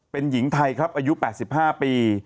เป็นหญิงไทยครับอายุ๘๕ปี